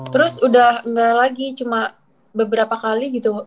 terus udah nggak lagi cuma beberapa kali gitu